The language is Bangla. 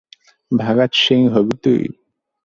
ভাগাত সিং হবি তুই।